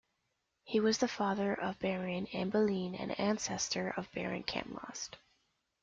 He was the father of Baran and Belen and ancestor of Beren Camlost.